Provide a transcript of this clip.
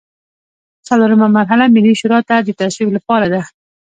څلورمه مرحله ملي شورا ته د تصویب لپاره ده.